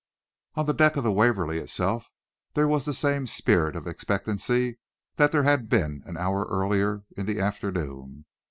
On the deck of the "Waverly" itself there was the same spirit of expectancy that there had been an hour earlier in the afternoon.